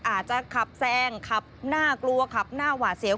อาจจะขับแซงขับน่ากลัวขับหน้าหวาดเสียว